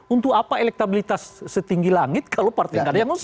untuk apa elektabilitas setinggi langit kalau partai nggak ada yang mengusung